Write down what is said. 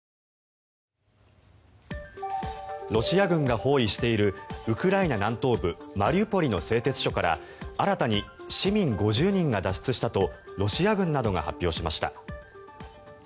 ロシア軍が包囲しているウクライナ南東部マリウポリの製鉄所から新たに市民５０人が脱出したとロシア軍などが発表しました。